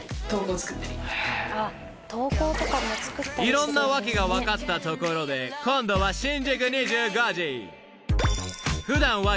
［いろんなワケが分かったところで今度は新宿２５時］